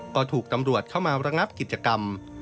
ก็ถูกตำรวจเข้ามาระงับกิจกรรม